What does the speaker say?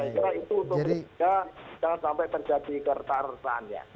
jangan sampai terjadi ketertaan tertaan ya